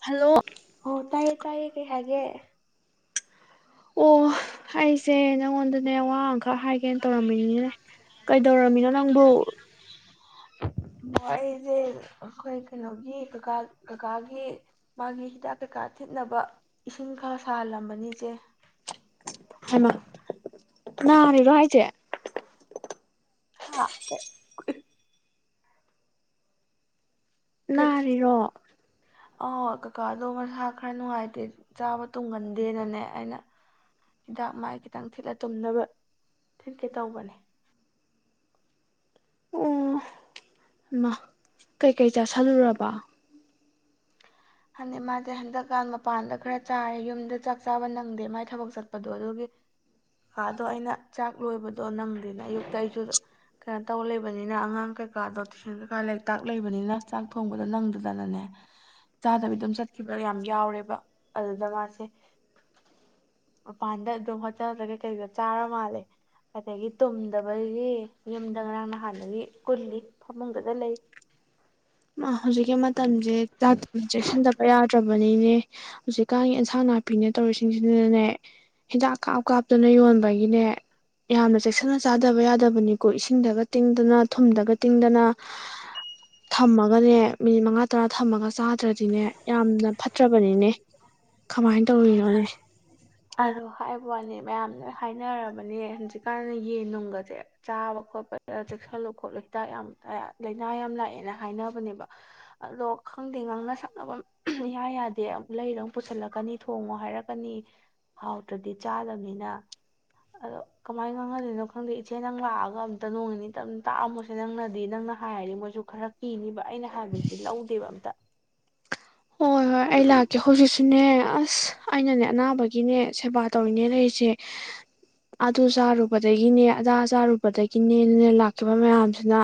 Hello [unintelligible] ꯍꫭ ꯇꯌꯦ ꯇꯌꯦ ꯀꯩꯩ ꯍꯥꯏꯒꯦ ꯑꯣ ꯑꯩꯁꯦ ꯅꯪꯉꯣꯟꯗꯅꯦ ꯋꯥ ꯑꯃꯈꯛ ꯍꯥꯏꯒꯦꯅ ꯇꯧꯔꯝꯃꯤꯅꯤꯅꯦ ꯀꯩꯗꯧꯔꯝꯃꯤꯅꯣ ꯅꯪꯕꯨ ꯑꯣ ꯑꯩꯖꯦ ꯑꯩꯈꯣꯏ ꯀꯩꯅꯣꯒꯤ ꯀꯀꯥ ꯀꯀꯥꯒꯤ ꯃꯥꯒꯤ ꯍꯤꯗꯥꯛ ꯀꯦꯀꯥ ꯊꯤꯠꯅꯕ ꯏꯁꯤꯡ ꯈꯔ ꯁꯥꯍꯜꯂꯝꯕꯅꯤ ꯏꯆꯦ ꯍꯩꯃ ꯅꯤꯔꯣ ꯍꯥꯏꯖꯦ ꯌꯥ ꯀꯦ ꯑꯦ ꯅꯥꯔꯤꯔꯣ ꯑ ꯀꯀꯥꯗꯣ ꯃꯁꯥ ꯈꯔ ꯅꯨꯡꯉꯥꯏꯇꯦ ꯆꯥꯕ ꯇꯨꯝꯒꯟꯗꯦꯅꯅꯦ ꯑꯩꯅ ꯍꯤꯗꯥꯛ ꯃꯥꯏ ꯈꯤꯇꯪ ꯊꯤꯠꯂ ꯇꯨꯝꯅꯕ ꯊꯤꯠꯀꯦ ꯇꯧꯕꯅꯦ ꯎꯝ ꯌꯩꯃꯥ ꯀꯩꯀꯩ ꯆꯥꯥꯁꯜꯂꯨꯔꯕ ꯍꯟꯗ ꯃꯥꯖꯦ ꯍꯟꯗꯛꯀꯥꯟ ꯃꯥꯃꯟ ꯃꯄꯥꯟꯗ ꯈꯔ ꯆꯥꯔꯦ ꯌꯨꯝꯗ ꯆꯥꯛ ꯆꯥꯕ ꯅꯪꯗꯦ ꯃꯥꯏ ꯊꯕꯛ ꯆꯠꯄꯗꯣ ꯑꯗꯨꯒꯤ ꯀꯀꯥꯗꯣ ꯑꯩꯅ ꯆꯥꯛ ꯂꯣꯏꯕꯗꯣ ꯅꯪꯗꯦꯅ ꯑꯌꯨꯛꯇ ꯑꯩꯖꯨ ꯀꯩꯅꯣ ꯇꯧ ꯂꯩꯕꯅꯤꯅ ꯑꯉꯥꯡ ꯀꯩꯀꯥꯗꯣ ꯇꯨꯋꯏꯁꯟ ꯀꯩꯀꯥ ꯂꯥꯏꯔꯤꯛ ꯇꯥꯛ ꯂꯩꯕꯅꯤꯅ ꯆꯥꯛ ꯊꯣꯡꯕꯗꯣ ꯅꯪꯗꯗꯅꯅꯦ ꯆꯥꯗꯕꯤ ꯑꯗꯨꯝ ꯆꯠꯈꯤꯕ ꯌꯥꯝ ꯌꯥꯎꯔꯦꯕ ꯑꯗꯨꯗ ꯃꯥꯁꯦ [unintelligible] ꯃꯥꯄꯟꯗ ꯑꯗꯨꯝ ꯍꫭꯊꯦꯜꯗ ꯀꯩꯀꯥ ꯀꯩꯗꯣ ꯆꯥꯔ ꯃꯥꯜꯂꯦ ꯑꯗꯒꯤ ꯇꯨꯝꯗꯕꯒꯤ ꯌꯨꯝꯗ ꯉꯔꯥꯡ ꯅꯍꯥꯟꯗꯒꯤ ꯀꯨꯜꯂꯤ ꯐꯃꯨꯡꯗꯨꯗ ꯂꯩ ꯍꯧꯖꯤꯛꯀꯤ ꯃꯇꯝꯁꯦ ꯌꯥꯗ꯭ꯔꯕꯅꯤꯅꯦ ꯍꯧꯖꯤꯛꯀꯥꯟꯒꯤ ꯏꯟꯁꯥꯡ ꯅꯥꯄꯤꯅꯦ ꯇꯧꯔꯤꯁꯤꯡꯁꯤꯅꯅꯅꯦ ꯍꯤꯗꯥꯛ ꯀꯥꯞ ꯀꯥꯞ ꯑꯗꯨꯅ ꯌꯣꯟꯕꯒꯤꯅꯦ ꯌꯥꯝꯅ ꯆꯦꯛꯁꯤꯟꯅ ꯆꯥ ꯆꯠꯇꯕ ꯌꯥꯗꯕꯅꯤꯀꯣ ꯏꯁꯤꯡꯗꯒ ꯇꯤꯡꯗꯅ ꯊꯨꯝꯗꯒ ꯇꯤꯡꯗꯅ ꯊꯝꯃꯒꯅꯦ ꯃꯤꯅꯤꯠ ꯃꯉꯥ ꯇꯔꯥ ꯊꯝꯃꯒ ꯆꯥꯗ꯭ꯔꯗꯤꯅꯦ ꯌꯥꯝꯅ ꯐꯠꯇ꯭ꯔꯕꯅꯤꯅꯦ ꯀꯃꯥꯏꯅ ꯇꯧꯔꯤꯅꯣꯅꯦ ꯑꯗꯣ ꯍꯥꯏꯕ ꯋꯥꯅꯤ ꯃꯌꯥꯝ ꯂꯣꯏ ꯍꯥꯏꯅꯔꯕꯅꯦ ꯍꯧꯖꯤꯛꯀꯥꯟꯗ ꯌꯦꯟ ꯅꯨꯡꯒꯁꯦ ꯆꯥꯕ ꯈꯣꯠꯄ ꯆꯦꯛꯁꯜꯂꯨ ꯈꯣꯠ ꯂꯩꯇꯥꯛ ꯌꯥꯝ ꯂꯥꯏꯅꯥ ꯌꯥꯝ ꯂꯥꯛꯑꯦꯅ ꯍꯥꯏꯅꯕꯅꯦꯕ ꯑꯗꯣ ꯈꯪꯗꯦ ꯉꯥꯡꯅ ꯁꯛꯅꯕ ꯌꯥ ꯌꯥꯗꯦ ꯑꯃꯛ ꯂꯩꯗꯣ ꯄꯨꯁꯤꯜꯂꯛꯀꯅꯤ ꯊꯣꯡꯉꯣ ꯍꯥꯏꯔꯛꯀꯅꯤ ꯍꯥꯎꯗ꯭ꯔꯗꯤ ꯆꯥꯗꯕꯅꯤꯅ ꯑꯗꯣ ꯀꯃꯥꯏꯅ ꯉꯥꯡꯉꯗꯣꯏꯅꯣ ꯈꯪꯗꯦ ꯏꯆꯦ ꯅꯪ ꯂꯥꯛꯑꯒ ꯑꯝꯇ ꯅꯣꯡꯉꯅꯤꯇ ꯇꯥꯛꯑꯝꯃꯣꯁꯦ ꯅꯪꯅꯗꯤ ꯅꯪꯅ ꯍꯥꯏꯔꯤ ꯃꯣꯏꯁꯨ ꯈꯔ ꯀꯤꯅꯤꯕ ꯑꯩꯅ ꯍꯥꯏꯕꯁꯤꯗꯤ ꯂꯧꯗꯦꯕ ꯑꯝꯇ ꯍꯣꯏ ꯍꯣꯏ ꯑꯩ ꯂꯥꯛꯀꯦ ꯍꯧꯖꯤꯛꯁꯨꯅꯦ ꯑꯁ ꯑꯩꯅꯅꯦ ꯑꯅꯥꯕꯒꯤꯅꯦ ꯁꯦꯕꯥ ꯇꯧꯔꯤꯅꯦ ꯂꯩꯔꯤꯁꯦ ꯑꯗꯨꯥ ꯆꯥꯔꯨꯕꯗꯒꯤꯅꯦ ꯑꯗꯥ ꯆꯥꯔꯨꯕꯗꯒꯤꯅꯦꯅꯅꯦ ꯂꯥꯛꯈꯤꯕ ꯃꯌꯥꯝꯁꯤꯅ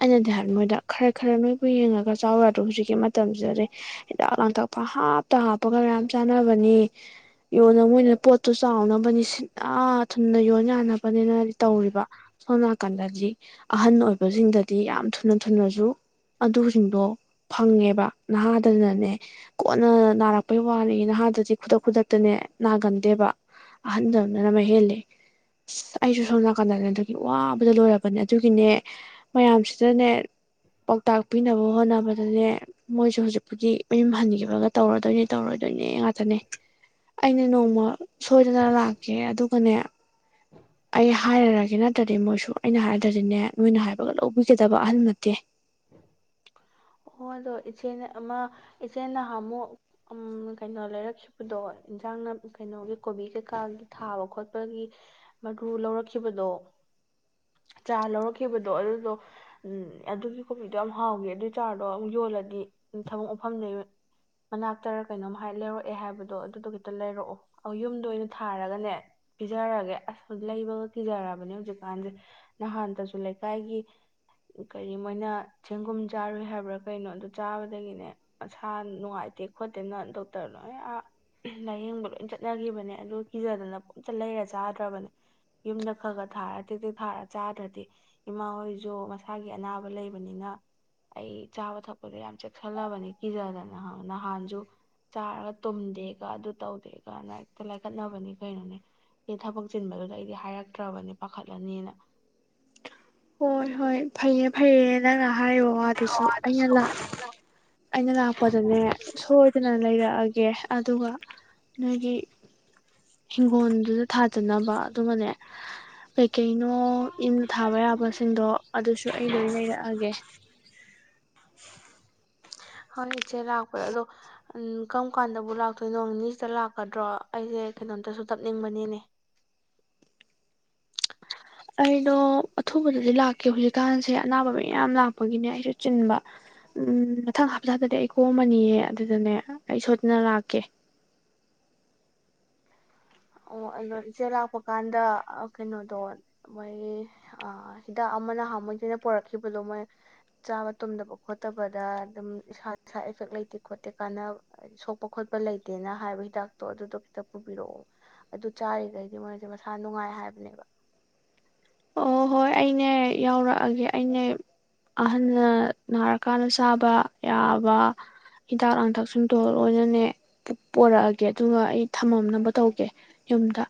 ꯑꯩꯅꯗꯤ ꯍꯥꯏ ꯃꯣꯏꯗ ꯈꯔ ꯈꯔ ꯅꯣꯏꯕꯨ ꯌꯦꯡꯉꯒ ꯆꯥꯎꯋꯦ ꯑꯗꯣ ꯍꯧꯖꯤꯛꯀꯤ ꯃꯇꯝꯁꯤꯗꯗꯤ ꯏꯔꯣꯟꯟ ꯇ ꯄ ꯍꯥꯞ ꯐꯛꯇ ꯍꯥꯞꯄꯒ ꯃ ꯆꯥꯅꯕꯅꯤ ꯌꯣꯟꯅ ꯃꯣꯏꯅ ꯄꯣꯠꯇꯨ ꯆꯥꯎꯅꯕꯅꯤ ꯁꯤꯠꯅꯥ ꯊꯨꯅ ꯌꯣꯟ ꯌꯥꯅꯕꯅꯤꯅꯗꯤ ꯇꯧꯔꯤꯕ ꯁꯣ ꯀꯟꯗꯗꯤ ꯑꯍꯟ ꯑꯣꯏꯕꯁꯤꯡꯗꯗꯤ ꯌꯥꯝ ꯊꯨꯅ ꯊꯨꯅꯁꯨ ꯑꯗꯨꯁꯤꯡꯗꯣ ꯐꯪꯉꯦꯕ ꯅꯍꯥ ꯅꯅꯦ ꯀꯣꯟꯅ ꯅꯥꯔꯛꯄꯩ ꯋꯥꯅꯤ ꯅꯍꯥꯗꯨꯗꯤ ꯈꯨꯗꯛ ꯈꯨꯗꯛꯇꯅꯦ ꯅꯥꯒꯟꯗꯦꯕ ꯑꯍꯟꯗꯕꯅꯅ ꯃꯍꯦꯜꯂꯤ ꯑꯁ ꯑꯩꯁꯨ ꯁꯣꯝ ꯅꯥꯀꯟꯗꯅꯦ ꯋꯥꯕꯗ ꯂꯣꯏꯔꯕꯅꯦ ꯑꯗꯨꯒꯤꯅꯦ ꯃꯌꯥꯝꯁꯤꯗꯅꯦ ꯄꯥꯎꯇꯥꯛ ꯄꯤꯅꯕ ꯍꯣꯠꯅꯕꯗꯅꯦ ꯃꯣꯏꯁꯨ ꯍꯧꯖꯤꯛ ꯑꯩ ꯃꯌꯨꯝ ꯍꯟꯈꯤꯕꯒ ꯇꯧꯔꯗꯣꯏꯅꯦ ꯇꯧꯔꯣꯏꯗꯣꯏꯅꯦ ꯉꯥꯛꯇꯅꯦ ꯑꯩꯅ ꯅꯣꯡꯃ ꯁꯣꯏꯗꯅ ꯂꯥꯛꯀꯦ ꯑꯗꯨꯒꯅꯦ ꯑꯩ ꯍꯥꯏꯔꯒꯦ ꯅꯠꯇ꯭ꯔꯗꯤ ꯃꯣꯏꯁꯨ ꯑꯩꯅ ꯍꯥꯏꯔꯗ꯭ꯔꯗꯤꯅꯦ ꯅꯣꯏꯅ ꯍꯥꯏꯕ ꯂꯧꯕꯤꯒꯗꯕ ꯑꯍꯜ ꯅꯠꯇꯦ ꯑꯣ ꯑꯗꯣ ꯏꯆꯦꯅ ꯑꯃ ꯏꯆꯦ ꯅꯍꯥꯟꯃꯨꯛ ꯀꯩꯅꯣ ꯂꯩꯔꯛꯈꯤꯕꯗꯣ ꯏꯟꯁꯥꯡꯅ ꯀꯩꯅꯣꯒꯤ ꯀꯣꯕꯤ ꯀꯩꯀꯥꯒꯤ ꯊꯥꯕ ꯈꯣꯠꯄꯒꯤ ꯃꯔꯨ ꯂꯧꯔꯛꯈꯤꯕꯗꯣ ꯆꯥ ꯂꯧꯔꯛꯈꯤꯕꯗꯣ ꯑꯗꯨꯗꯣ ꯎꯝ ꯑꯗꯨꯒꯤ ꯀꯣꯕꯤꯗꯣ ꯌꯥꯝ ꯍꯥꯎꯈꯤ ꯑꯗꯨꯏ ꯆꯥꯔꯗꯣ ꯌꯣꯜꯂꯗꯤ ꯊꯕꯛ ꯃꯐꯝꯗꯩ ꯃꯅꯥꯛꯇꯔ ꯀꯩꯅꯣꯝ ꯍꯥꯏ ꯂꯩꯔꯛꯑꯦ ꯍꯥꯏꯕꯗꯣ ꯑꯗꯨꯗꯣ ꯈꯤꯇ ꯂꯩꯔꯛꯑꯣ ꯌꯨꯝꯗ ꯑꯣꯏꯅ ꯊꯥꯔꯒꯅꯦ ꯄꯤꯖꯔꯒꯦ ꯑꯁ ꯂꯩꯕꯒ ꯀꯤꯖꯔꯕꯅꯦ ꯍꯧꯖꯤꯛꯀꯥꯟꯁꯦ ꯅꯍꯥꯟꯗꯁꯨ ꯂꯩꯀꯥꯏꯒꯤ ꯀꯔꯤ ꯃꯣꯏꯅ ꯆꯦꯡꯒꯨꯝ ꯆꯥꯔꯨꯏ ꯍꯥꯏꯕ꯭ꯔꯥ ꯀꯩꯅꯣ ꯑꯗꯨ ꯆꯥꯕꯗꯒꯤꯅꯦ ꯃꯁꯥ ꯅꯨꯡꯉꯥꯏꯇꯦ ꯈꯣꯠꯇꯦꯅ ꯗꯣꯛꯇꯔ ꯂꯣꯏ ꯂꯥꯏꯌꯦꯡꯕ ꯂꯣꯏ ꯆꯠꯅꯈꯤꯕꯅꯦ ꯑꯗꯨ ꯀꯤꯖꯗꯅ ꯄꯣꯠ ꯑꯃꯇ ꯂꯩꯔ ꯆꯥꯗ꯭ꯔꯕꯅꯦ ꯌꯨꯝꯗ ꯈꯔ ꯈꯔ ꯊꯥꯔ ꯇꯦꯛ ꯇꯦꯛ ꯊꯥꯔ ꯆꯥꯗ꯭ꯔꯗꯤ ꯏꯃꯥ ꯍꯣꯏꯁꯨ ꯃꯁꯥꯒꯤ ꯑꯅꯥꯕ ꯂꯩꯕꯅꯤꯅ ꯑꯩ ꯆꯥꯕ ꯊꯛꯄꯗ ꯌꯥꯝ ꯆꯦꯛꯁꯜꯂꯕꯅꯤ ꯀꯤꯖꯗꯅ ꯅꯍꯥꯟꯁꯨ ꯆꯥꯔꯒ ꯇꯨꯝꯗꯦꯒ ꯑꯗꯨ ꯇꯧꯗꯦꯒꯅ ꯍꯦꯛꯇ ꯂꯥꯏꯈꯠꯅꯕꯅꯤ ꯀꯩꯅꯣꯅꯦ ꯑꯦ ꯊꯕꯛ ꯆꯤꯟꯕꯗꯨꯗ ꯑꯩꯗꯤ ꯍꯥꯏꯔꯛꯇ꯭ꯔꯕꯅꯤ ꯄꯥꯈꯠꯂꯅꯤꯅ ꯍꯣꯏ ꯍꯣꯏ ꯐꯩꯌꯦ ꯐꯩꯌꯦ ꯅꯪꯅ ꯍꯥꯏꯌꯣ ꯋꯥꯗꯨꯁꯨ ꯑꯩꯅ ꯂꯥꯛ ꯑꯩꯅ ꯂꯥꯛꯄꯗꯅꯦ ꯁꯣꯏꯗꯅ ꯂꯩꯔꯛꯑꯒꯦ ꯑꯗꯨꯒ ꯅꯣꯏꯒꯤ ꯏꯪꯈꯣꯜꯗꯨꯗ ꯊꯥꯗꯅꯕ ꯑꯗꯨꯃꯅꯦ ꯀꯩꯀꯩꯅꯣ ꯌꯨꯝꯗ ꯊꯥꯕ ꯌꯥꯕꯁꯤꯡꯗꯣ ꯑꯗꯨꯁꯨ ꯑꯩ ꯂꯣꯏ ꯂꯩꯔꯛꯑꯒꯦ ꯍꯣꯏ ꯏꯆꯦ ꯂꯥꯛꯄ ꯑꯗꯣ ꯀꯔꯝ ꯀꯥꯟꯗꯕꯨ ꯂꯥꯛꯇꯣꯏꯅꯣ ꯅꯤꯁꯤꯗ ꯂꯥꯛꯀꯗ꯭ꯔꯣ ꯑꯩꯁꯦ ꯀꯩꯅꯣꯝꯇꯁꯨ ꯇꯞꯅꯤꯡꯕꯅꯤꯅꯦ ꯑꯩꯗꯣ ꯑꯊꯨꯕꯗꯗꯤ ꯂꯥꯛꯀꯦ ꯍꯧꯖꯤꯛꯀꯥꯟꯁꯦ ꯑꯅꯥꯕ ꯃꯌꯥꯝ ꯂꯥꯛꯄꯒꯤꯅꯦ ꯑꯩꯁꯨ ꯆꯤꯟꯕ ꯎꯝ ꯃꯊꯪ ꯍꯥꯞꯇꯗꯗꯤ ꯑꯩ ꯀꯣꯝꯃꯅꯤꯌꯦ ꯑꯗꯨꯗꯅꯦ ꯑꯩ ꯁꯣꯗꯅ ꯂꯥꯛꯀꯦ ꯑꯣ ꯑꯗꯣ ꯏꯆꯦ ꯂꯥꯛꯄ ꯀꯥꯟꯗ ꯀꯩꯅꯣꯗꯣ ꯃꯣꯏ ꯍꯤꯗꯥꯛ ꯑꯃ ꯅꯍꯥꯟ ꯃꯣꯏꯗꯅ ꯄꯨꯔꯛꯈꯤꯕꯗꯣ ꯃꯣꯏ ꯆꯥꯕ ꯇꯨꯝꯗꯕ ꯈꯣꯠꯇꯕꯗ ꯑꯗꯨꯝ ꯏꯁꯥ ꯏꯁꯥ ꯏꯐꯦꯛ ꯂꯩꯇꯦ ꯈꯣꯠꯇꯦ ꯀꯥꯟꯅꯕ ꯁꯣꯛꯄ ꯈꯣꯠꯄ ꯂꯩꯇꯦꯅ ꯍꯥꯏꯕ ꯍꯤꯗꯥꯛꯇꯣ ꯑꯗꯨꯗꯣ ꯈꯤꯇ ꯄꯨꯕꯤꯔꯛꯑꯣ ꯑꯗꯨ ꯆꯥꯔꯤꯈꯩꯗꯤ ꯃꯣꯏꯁꯦ ꯃꯁꯥ ꯅꯨꯡꯉꯥꯏ ꯍꯥꯏꯕꯅꯦꯕ ꯑꯣ ꯍꯣꯏ ꯑꯩꯅꯦ ꯌꯥꯎꯔꯛꯑꯒꯦ ꯑꯩꯅꯦ ꯑꯍꯟꯅ ꯅꯥꯔꯀꯥꯟꯗ ꯆꯥꯕ ꯌꯥꯕ ꯍꯤꯗꯥꯛ ꯂꯥꯡꯊꯛ ꯁꯤꯡꯗꯣ ꯂꯣꯏꯅꯅꯦ ꯄꯣꯔꯛꯑꯒꯦ ꯑꯗꯨꯒ ꯑꯩ ꯊꯃꯝꯅꯕ ꯇꯧꯒꯦ ꯌꯨꯝꯗ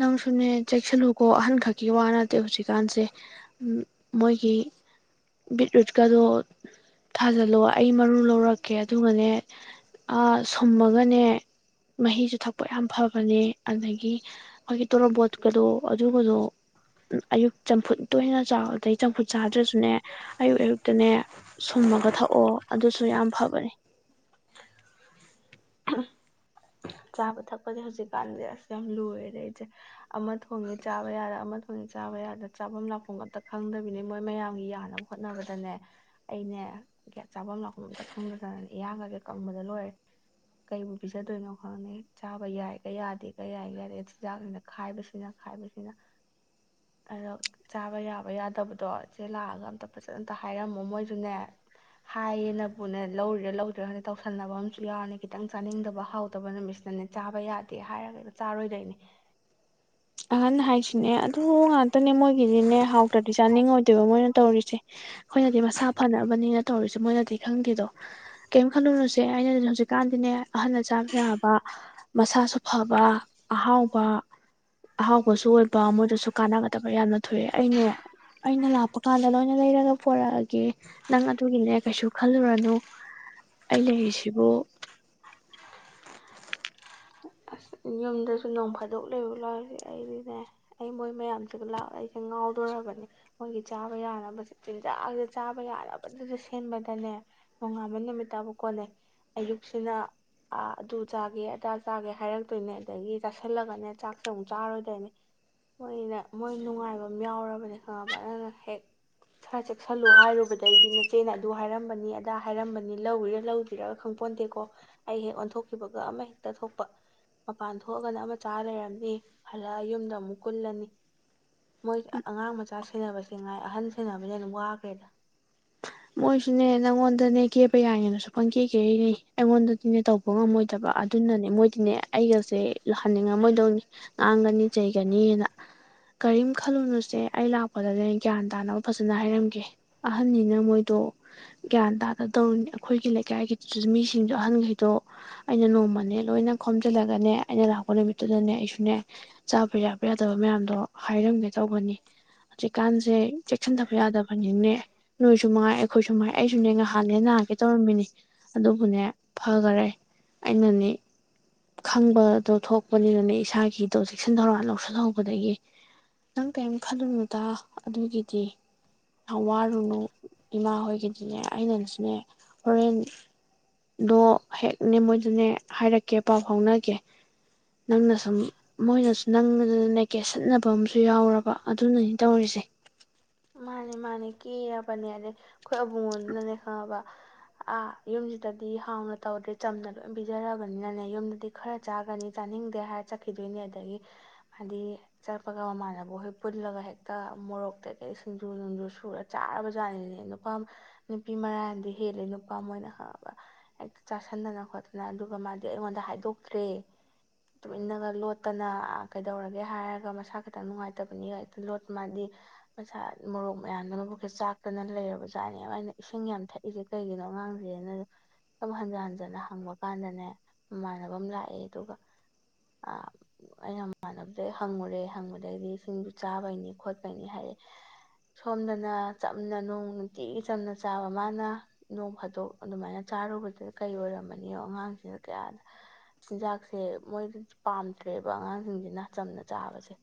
ꯅꯪꯁꯨꯅꯦ ꯆꯦꯛꯁꯤꯜꯂꯨꯀꯣ ꯑꯍꯟꯈꯛꯀꯤ ꯋꯥꯅ ꯑ ꯍꯧꯖꯤꯛꯀꯥꯟꯁꯦ ꯃꯣꯏꯒꯤ ꯕꯤꯠꯔꯨꯠꯀꯗꯣ ꯊꯥꯖꯤꯜꯂꯣ ꯑꯩ ꯃꯔꯨ ꯂꯧꯔꯛꯀꯦ ꯑꯗꯨꯒꯅꯦ ꯁꯨꯝꯃꯒꯅꯦ ꯃꯍꯤꯁꯨ ꯊꯛꯄ ꯌꯥꯝ ꯐꯕꯅꯦ ꯑꯗꯒꯤ ꯑꯩꯒꯤ ꯇꯅ ꯕꯣꯠ ꯀꯗꯣ ꯍꯧꯖꯤꯛ ꯍꯧ ꯑꯗꯨ ꯎ ꯑꯌꯨꯛ ꯆꯝꯐꯨꯠ ꯇꯣꯏ ꯑꯣꯏꯅ ꯆꯥꯎ ꯑꯗꯩ ꯆꯝꯐꯨꯠ ꯆꯥꯗ꯭ꯔꯁꯨꯅꯦ ꯑꯌꯨꯛ ꯑꯌꯨꯛꯇꯅꯦ ꯁꯣꯝꯃꯒ ꯊꯛꯑꯣ ꯑꯗꯨꯁꯨ ꯌꯥꯝ ꯐꯕꯅꯤ ꯆꯥꯕ ꯊꯛꯄꯁ ꯍꯧꯖꯤꯛ ꯍꯧꯖꯤ ꯀꯥꯟꯗꯤ ꯑꯁ ꯌꯥꯝ ꯂꯣꯏꯔꯦꯗ ꯑꯩꯁꯦ ꯑꯃ ꯊꯣꯡꯉꯦ ꯆꯥꯕ ꯌꯥꯗ ꯑꯃ ꯊꯣꯡꯉꯦ ꯆꯥꯕ ꯌꯥꯗ ꯆꯥꯐꯝ ꯂꯥꯛꯐꯝ ꯑꯇ ꯈꯪꯗꯕꯤꯅꯤ ꯃꯣꯏ ꯃꯌꯥꯝꯒꯤ ꯌꯥꯅꯕ ꯍꯣꯠꯅꯕꯗꯅꯦ ꯑꯩꯅꯦ ꯆꯥꯐꯝ ꯂꯥꯛꯐꯝ ꯑꯇ ꯈꯪꯗꯗꯅꯅꯦ ꯏꯔꯥꯡꯒꯒꯦ ꯀꯪꯕꯗ ꯂꯣꯏꯔꯦ ꯀꯩꯨ ꯄꯤꯖꯗꯣꯏꯅꯣ ꯈꯪꯅꯤ ꯆꯥꯕ ꯌꯥꯏꯒ ꯌꯥꯗꯦꯒ ꯌꯥꯏꯒ ꯌꯥꯗꯦ ꯆꯤꯟꯖꯥꯛꯁꯤꯅ ꯈꯥꯏꯕꯁꯤꯅ ꯈꯥꯏꯕꯁꯤꯅ ꯑꯗꯣ ꯆꯥꯕ ꯌꯥꯕ ꯌꯥꯗꯕꯗꯣ ꯏꯆꯦ ꯂꯥꯛꯑꯒ ꯑꯝꯇ ꯐꯖꯅ ꯑꯝꯇ ꯍꯥꯏꯔꯝꯃꯣ ꯃꯣꯏꯁꯨꯅꯦ ꯍꯥꯏꯌꯦꯅꯕꯨꯅꯦ ꯂꯧꯔꯤꯔꯥ ꯂꯧꯗ꯭ꯔꯔꯥ ꯈꯗ ꯇꯧꯁꯟꯅꯕ ꯑꯃꯁꯨ ꯌꯥꯎꯔꯅꯤ ꯈꯤꯇꯪ ꯆꯥꯅꯤꯡꯗꯕ ꯍꯥꯎ ꯑꯇꯧꯕ ꯅꯨꯃꯤꯠꯁꯤꯅꯅꯦ ꯆꯥꯕ ꯌꯥꯗꯦ ꯍꯥꯏꯔꯒꯗꯤ ꯆꯥꯔꯣꯏꯗꯣꯏꯅꯦ ꯑꯍꯟ ꯍꯥꯏꯁꯤꯅꯦ ꯑꯗꯨ ꯉꯥꯛꯇꯅꯦ ꯃꯣꯏꯒꯤꯗꯤꯅꯦ ꯍꯥꯎꯇ꯭ꯔꯗꯤ ꯆꯥꯅꯤꯡꯉꯣꯏꯗꯣꯏꯕ ꯃꯣꯏꯅ ꯇꯧꯔꯤꯁꯦ ꯑꯩꯈꯣꯏꯅꯗꯤ ꯃꯁꯥ ꯐꯅꯕꯅꯤꯅ ꯇꯧꯔꯤꯁꯦ ꯃꯅ ꯗꯤ ꯈꯪꯗꯦꯗꯣ ꯀꯩꯝ ꯈꯜꯂꯨꯅꯨꯁꯦ ꯑꯩꯅ ꯍꯧꯖꯤꯛꯀꯥꯟꯗꯤꯅꯦ ꯑꯍꯜ ꯑ ꯆꯥꯕ ꯌꯥꯕ ꯃꯁꯥꯁꯨ ꯐꯕ ꯑꯍꯥꯎꯕ ꯑꯍꯥꯎꯕꯁꯨ ꯑꯣꯏꯕ ꯃꯣꯏꯗꯁꯨ ꯀꯥꯟꯅꯒꯗꯕ ꯌꯥꯝꯅ ꯊꯣꯛꯑꯦ ꯑꯩꯅꯦ ꯑꯩꯅ ꯂꯥꯛꯄ ꯀꯥꯟꯗ ꯂꯣꯏꯅ ꯂꯩꯔꯒ ꯄꯣꯔꯛꯑꯒꯦ ꯅꯪ ꯑꯗꯨꯒꯤꯅꯦ ꯀꯩꯁꯨ ꯈ ꯑꯩ ꯂꯩꯔꯤꯁꯤꯕꯨ ꯑꯁ ꯌꯨꯝꯗꯁꯨ ꯅꯣꯡꯐꯥꯗꯣꯛ ꯂꯩꯔ ꯂꯥꯎꯔꯤꯁꯦ ꯑꯩꯗꯤꯅꯦ ꯑꯩ ꯃꯣꯏ ꯃꯌꯥꯝꯁꯤꯒ ꯂꯥꯛ ꯑꯩꯁꯦ ꯉꯥꯎꯗꯣꯔꯔꯕꯅꯤ ꯃꯣꯏꯒꯤ ꯆꯥꯕ ꯌꯥꯅꯕꯁꯦ ꯆꯤꯟꯖꯥꯛꯁꯦ ꯆꯥꯕ ꯌꯥꯅꯕꯗꯨꯗ ꯁꯦꯝꯕꯗꯅꯦ ꯅꯣꯡꯉꯥꯟꯕ ꯅꯨꯃꯤꯠꯠꯇꯕꯨ ꯀꯣꯅꯩ ꯑꯌꯨꯛꯁꯤꯅ ꯑꯗꯨ ꯆꯥꯒꯦ ꯑꯗꯥ ꯆꯥꯒꯦ ꯍꯥꯏꯔꯛꯇꯣꯏꯅꯦ ꯑꯗꯒꯤ ꯆꯥꯥꯁꯜꯂꯒꯅꯦ ꯆꯥꯛꯁꯦ ꯑꯃꯨꯛ ꯆꯥꯔꯣꯏꯗꯣꯏꯅꯦ ꯃꯣꯏꯅ ꯃꯣꯏ ꯅꯨꯡꯉꯥꯏꯕ ꯑꯃ ꯌꯥꯎꯔꯕꯅꯦ ꯈꯪꯉꯕ ꯅꯪꯅ ꯍꯦꯛ ꯈꯔ ꯆꯦꯛꯁꯜꯂꯨ ꯍꯥꯏꯔꯨꯕꯗꯩꯗꯤ ꯅꯆꯦꯅ ꯑꯗꯨ ꯍꯥꯏꯔꯝꯕꯅꯤ ꯑꯗꯥ ꯍꯥꯏꯔꯝꯕꯅꯤ ꯂꯧꯋꯔ ꯂꯧꯗ꯭ꯔꯒ ꯈꯪꯄꯣꯟꯗꯦꯀꯣ ꯑꯩ ꯍꯦꯛ ꯑꯣꯟꯊꯣꯛꯈꯤꯕꯒ ꯑꯃ ꯍꯦꯛꯇ ꯊꯣꯛꯄ ꯃꯄꯥꯟ ꯊꯣꯛꯑꯒꯅ ꯑꯃ ꯆꯥ ꯂꯩꯔꯝꯅꯤ ꯍꯜꯂꯛꯑ ꯌꯨꯝꯗ ꯑꯃꯨꯛ ꯀꯨꯜꯂꯅꯤ ꯃꯣꯏ ꯑꯉꯥꯡ ꯃꯆꯥ ꯁꯦꯟꯅꯕꯁꯦ ꯉꯥꯏ ꯑꯍꯟ ꯁꯦꯟꯅꯕꯅꯦ ꯑꯗꯨꯝ ꯋꯥꯈ꯭ꯔꯦꯗ ꯃꯣꯏꯁꯨꯅꯦ ꯅꯪꯉꯣꯟꯗꯅꯦ ꯀꯦꯄ ꯌꯥꯏꯉꯅꯁꯨ ꯐꯪ ꯀꯦ ꯀꯦꯅꯦ ꯑꯩꯉꯣꯟꯗꯗꯤꯅꯦ ꯇꯧꯕ ꯉꯝꯃꯣꯏꯗꯕ ꯑꯗꯨꯅꯅꯦ ꯃꯣꯏꯗꯤꯅꯦ ꯑꯩꯒꯁꯦꯍꯟꯅꯤꯡꯉꯝꯃꯣꯏꯗꯧꯅꯤ ꯉꯥꯡꯒꯅꯤ ꯆꯩꯒꯅꯤꯅ ꯀꯔꯤꯝ ꯈꯜꯂꯨꯅꯨꯁꯦ ꯑꯩ ꯂꯥꯛꯄꯗꯅꯦ ꯒ꯭ꯌꯥꯟ ꯇꯥꯅꯕ ꯐꯖꯅ ꯍꯥꯏꯔꯝꯒꯦ ꯑꯍꯟꯅꯤꯅ ꯃꯣꯏ ꯑꯗꯨ ꯒ꯭ꯌꯥꯟ ꯇꯥꯗꯗꯧꯔꯤꯅꯤ ꯑꯩꯈꯣꯏꯒꯤ ꯂꯩꯀꯥꯏꯒꯤꯗꯨ ꯃꯤꯁꯤꯡꯗꯣ ꯑꯍꯟꯈꯩꯗꯣ ꯑꯩꯅ ꯅꯣꯡꯃꯅꯦ ꯂꯣꯏꯅ ꯈꯣꯝꯖꯤꯜꯂꯒꯅꯦ ꯑꯩꯅ ꯂꯥꯛꯄ ꯅꯨꯃꯤꯠꯇꯨꯗꯅꯦ ꯑꯩꯁꯨ ꯅꯦ ꯆꯥꯕ ꯌꯥꯕ ꯌꯥꯗꯕ ꯃꯌꯥꯝꯗꯣ ꯍꯥꯏꯔꯝꯒꯦ ꯇꯧꯕꯅꯤ ꯍꯧꯖꯤꯛꯀꯥꯟꯁꯦ ꯆꯦꯛꯁꯤꯟꯗꯕ ꯌꯥꯗꯕꯅꯤꯅꯦ ꯅꯣꯏ ꯑꯩꯈꯣꯏ ꯁꯨꯉꯥꯏ ꯑꯩꯁꯨꯅꯦ ꯅꯍꯥꯟ ꯍ ꯅꯥꯀꯦ ꯇꯧꯔꯝꯃꯤꯅꯤ ꯑꯗꯨꯕꯨꯅꯦ ꯐꯈꯔꯦ ꯑꯩꯅꯅꯦ ꯈꯪꯕꯗꯣ ꯊꯣꯛꯄꯅꯤꯅꯅꯦ ꯏꯁꯥꯒꯤꯗꯣ ꯆꯦꯛꯁꯤꯟ ꯊꯧꯔꯥꯡ ꯂꯧꯁꯤꯜꯍꯧꯕꯗꯒꯤ ꯅꯪ ꯀꯔꯤꯝ ꯈꯜꯂꯨꯅꯨꯗ ꯑꯗꯨꯒꯤꯗꯤ ꯑ ꯋꯥꯔꯅꯣ ꯏꯃꯥ ꯍꯣꯏꯒꯤꯗꯤꯅꯦ ꯑꯩꯅ ꯁꯤꯅꯦ ꯍꯣꯔꯦꯟꯗꯣ ꯍꯦꯛꯅꯦ ꯃꯣꯏꯗꯨꯅꯦ ꯍꯥꯏꯔꯛꯀꯦ ꯄꯥꯎ ꯐꯥꯎꯅꯒꯦ ꯅꯪꯅ ꯁꯨꯝ ꯃꯣꯏꯅꯁꯨ ꯅꯪꯅ ꯂꯩꯀꯦ ꯁꯤꯠꯅꯕ ꯑꯃꯁꯨ ꯑꯗꯨꯨ ꯌꯥꯎꯔꯕ ꯑꯗꯨꯅꯅꯤ ꯇꯧꯔꯤꯁꯦ ꯃꯥꯅꯦ ꯃꯥꯅꯦ ꯀꯦꯔꯕꯅꯦ ꯑꯗꯩ ꯑꯩꯈꯣꯏ ꯑꯕꯨꯡꯉꯣꯗꯨꯅꯅꯦ ꯈꯪꯉꯕ ꯑꯥ ꯌꯨꯝꯁꯤꯗꯗꯤ ꯍꯥꯎꯅ ꯇꯧꯗ꯭ꯔꯦ ꯆꯝꯅ ꯂꯣꯏ ꯄꯤꯖꯔꯕꯅꯤꯅꯅꯦ ꯌꯨꯝꯗꯗꯤ ꯈꯔ ꯆꯥꯒ꯭ꯔꯅꯤ ꯆꯥꯅꯤꯡꯗꯦ ꯍꯥꯏꯔ ꯆꯠꯈꯤꯗꯣꯏꯅꯦ ꯑꯗꯒꯤ ꯍꯥꯏꯗꯤ ꯆꯠꯄꯒ ꯃꯃꯥꯟꯕꯨ ꯍꯣꯏ ꯄꯨꯜꯂꯒ ꯍꯦꯛꯇ ꯃꯣꯔꯣꯛꯇ ꯍ ꯁꯤꯡꯖꯨ ꯅꯨꯡꯖꯨ ꯁꯨꯔ ꯆꯥꯔꯕ ꯖꯥꯠꯅꯤꯅꯦ ꯅꯨꯄꯥ ꯅꯨꯄꯤ ꯃꯔꯥꯅꯗꯤ ꯍꯦꯜꯂꯦ ꯅꯨꯄꯥ ꯑꯃꯣꯏꯅ ꯈꯪꯕ ꯍꯦꯛꯇ ꯆꯥꯥꯁꯟꯗꯅ ꯈꯣꯠꯇꯅ ꯑꯗꯨꯒ ꯃꯥꯗꯤ ꯑꯩꯉꯣꯟꯗ ꯍꯥꯏꯗꯣꯛꯇ꯭ꯔꯦ ꯇꯨꯃꯤꯟꯅꯒ ꯂꯣꯠꯇꯅ ꯀꯩꯗꯧꯔꯒꯦ ꯍꯥꯏꯔꯒ ꯃꯁꯥ ꯈꯤꯇꯪ ꯅꯨꯡꯉꯥꯏꯇꯕꯅꯤꯒ ꯍꯦꯛꯇ ꯂꯣꯠ ꯃꯥꯗꯤ ꯃꯩꯁꯥ ꯃꯣꯔꯣꯛ ꯃꯌꯥꯝꯗꯨꯅꯕꯨꯛꯁꯦ ꯆꯥꯛꯇꯅ ꯂꯩꯔꯕꯖꯥꯠꯅꯦꯕ ꯑꯩꯅ ꯏꯁꯤꯡ ꯌꯥꯝ ꯊꯛꯏꯁꯦ ꯀꯩꯒꯤꯅꯣ ꯑꯉꯥꯡꯁꯦꯅ ꯁꯨꯝ ꯍꯟꯖ ꯍꯟꯖꯅ ꯍꯪꯕ ꯀꯥꯟꯗꯅꯦ ꯃꯃꯥꯟꯅꯕ ꯑꯃ ꯂꯥꯛꯑꯦ ꯑꯗꯨꯒ ꯑꯩꯅ ꯃꯃꯥꯟꯅꯕꯗꯩ ꯍꯪꯉꯨꯔꯦ ꯍꯪꯕꯗꯗꯒꯤꯗꯤ ꯏꯁꯤꯡꯁꯨ ꯆꯥꯕꯩꯅꯤ ꯈꯣꯠꯄꯩꯅꯤ ꯍꯥꯏꯔꯛꯑꯦ ꯁꯣꯝꯗꯅ ꯆꯝꯅ ꯅꯣꯡ ꯅꯨꯡꯇꯤꯒꯤ ꯆꯝꯅ ꯆꯥꯕ ꯃꯥꯅ ꯅꯣꯡ ꯐꯥꯗꯣꯛ ꯑꯗꯨꯃꯥꯏꯅ ꯆꯥꯔꯨꯕꯗꯨꯗ ꯀꯩ ꯑꯣꯏꯔꯝꯃꯅꯤꯣ ꯑꯉꯥꯡꯁꯤꯅ ꯀꯌꯥꯗ ꯆꯤꯟꯖꯥꯛꯁꯦ ꯃꯣꯏꯗ ꯄꯥꯝꯗ꯭ꯔꯦꯕ ꯑꯉꯥꯡꯁꯤꯡꯁꯤꯅ ꯆꯝꯅ ꯆꯥꯕꯁꯦ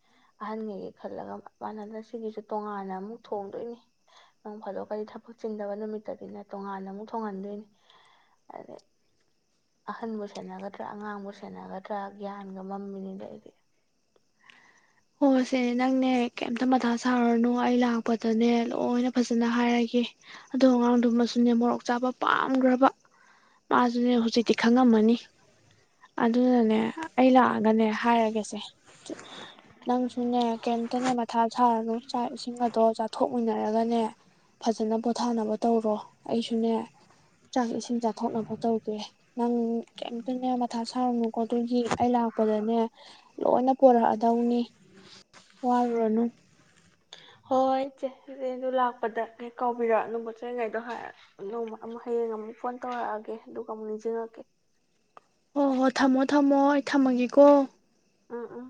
ꯑꯍꯟꯉꯩꯒꯤ ꯈꯜꯂꯒ ꯃꯥꯅ ꯁꯤꯒꯤꯁꯨ ꯇꯣꯉꯥꯟꯅ ꯑꯃꯨꯛ ꯊꯣꯡꯗꯣꯏꯅꯤ ꯅꯪ ꯐꯥꯗꯣꯛꯀꯗꯤ ꯊꯕꯛ ꯆꯤꯟꯗꯕ ꯅꯨꯃꯤꯠꯇꯗꯤꯅꯦ ꯇꯣꯉꯥꯟꯅ ꯑꯃꯨꯛ ꯊꯣꯡꯍꯟꯗꯣꯏꯅꯤ ꯑꯗꯩ ꯑꯍꯟꯕꯨ ꯁꯦꯟꯅꯒꯗ꯭ꯔꯥ ꯑꯉꯥꯡꯕꯨ ꯁꯦꯟꯅꯒꯗ꯭ꯔꯥ ꯒ꯭ꯌꯥꯟꯒ ꯃꯝꯃꯤꯅꯤꯗꯤ ꯑꯩꯗꯤ ꯍꯣꯏꯁꯦ ꯅꯪꯅꯦ ꯀꯩꯝꯇ ꯃꯊꯥ ꯁꯥꯔꯅꯨ ꯑꯩ ꯂꯥꯛꯄꯗꯅꯦ ꯂꯣꯏꯅ ꯐꯖꯅ ꯍꯥꯏꯔꯒꯦ ꯑꯗꯣ ꯑꯉꯥꯡꯗꯨꯃꯁꯨꯅꯦ ꯃꯣꯔꯣꯛ ꯆꯥꯕ ꯄꯥꯝꯈ꯭ꯔꯕ ꯃꯥꯁꯨ ꯑꯗꯨꯅꯦ ꯍꯧꯖꯤꯛꯇꯤ ꯈꯪꯉꯝꯃꯅꯤ ꯑꯗꯨꯅꯅꯦ ꯑꯩ ꯂꯥꯛꯑꯒꯅꯦ ꯍꯥꯏꯔꯒꯦꯁꯦ ꯅꯪꯁꯨꯅꯦ ꯀꯔꯤꯝꯇꯅꯦ ꯃꯊꯥ ꯁꯥꯔꯅꯨ ꯆꯥꯛ ꯏꯁꯤꯡ ꯑꯗꯣ ꯆꯥꯊꯣꯛꯃꯤꯟꯅꯔꯒꯅꯦ ꯐꯖꯅ ꯄꯣꯊꯥꯅꯕ ꯇꯧꯔꯣ ꯑꯩꯁꯨꯅꯦ ꯆꯥꯛ ꯏꯁꯤꯡ ꯆꯥꯊꯣꯛꯅꯕ ꯇꯧꯗꯦ ꯅꯪ ꯀꯔꯤꯝꯇꯅꯦ ꯃꯊꯥ ꯁꯥꯔꯨꯅꯨꯀꯣ ꯑꯗꯨꯒꯤ ꯑꯩ ꯂꯥꯛꯄꯗꯅꯦ ꯂꯣꯏꯅ ꯄꯣꯔꯛꯑꯗꯧꯅꯤ ꯋꯥꯔ ꯨ ꯔꯅꯨ ꯍꯣꯏ ꯏꯆꯦ ꯏꯆꯦꯗ ꯂꯥꯛꯄꯗ ꯍꯦꯛ ꯀꯥꯎꯕꯤꯔꯛꯑꯣ ꯑꯗꯨꯝ ꯄꯣꯠꯔꯤꯉꯩꯗꯣ ꯅꯣꯡꯃ ꯑꯃꯨꯛ ꯍꯌꯦꯡ ꯑꯃꯨꯛ ꯐꯣꯟ ꯇꯧꯔꯛꯑꯒꯦ ꯑꯗꯨꯒ ꯑꯃꯨꯛ ꯅꯤꯡꯁꯤꯡꯉꯛꯀꯦ꯫ ꯍ ꯍꯣ ꯊꯝꯃꯣ ꯊꯝꯃꯣ ꯑꯩ ꯊꯝꯃꯒꯦꯀꯣ꯫ ꯎꯝ ꯎꯝ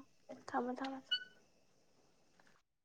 ꯊꯝꯃꯣ ꯊꯝꯃꯣ꯫